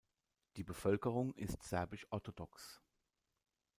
Die Bevölkerung ist Serbisch-orthodox.